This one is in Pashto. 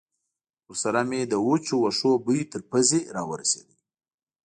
ورسره مې د وچو وښو بوی تر پوزې را ورسېد.